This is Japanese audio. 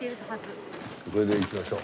これでいきましょう。